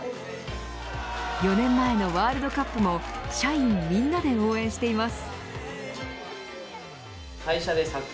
４年前のワールドカップも社員みんなで応援しています。